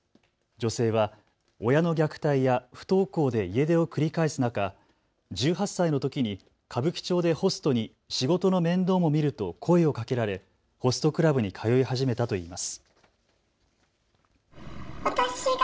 女性は親の虐待や不登校で家出を繰り返す中、１８歳のときに歌舞伎町でホストに仕事の面倒も見ると声をかけられホストクラブに通い始めたといいます。